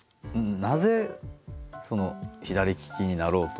なぜ左利きになろうと？